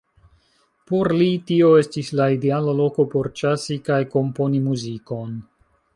Por li tio estis la ideala loko por ĉasi kaj komponi muzikon.